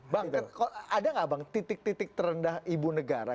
bang ada nggak bang titik titik terendah ibu negara